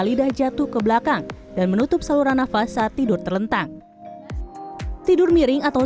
lidah jatuh ke belakang dan menutup saluran nafas saat tidur terlentang tidur miring atau